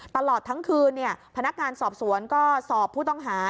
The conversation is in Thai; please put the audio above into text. ตลอดทั้งคืนพนักงานสอบสวนก็สอบผู้ต้องหา